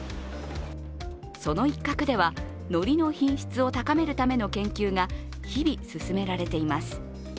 その一角では、のりの品質を高めるための研究が日々進められています。